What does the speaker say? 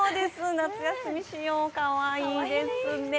夏休み仕様、かわいいですね。